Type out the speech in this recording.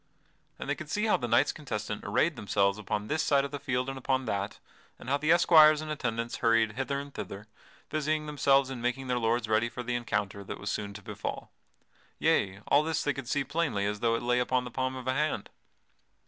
And they could see how the knights contestant arrayed themselves upon this side of the field and upon that, and how the esquires and attendants hurried hither and thither, busying themselves in making their lords ready for the encounter that was soon to befall. Yea, all this could they see as plainly as though it lay upon the palm of a hand.